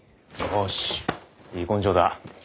よしいい根性だ。